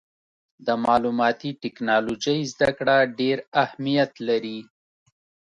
د معلوماتي ټکنالوجۍ زدهکړه ډېر اهمیت لري.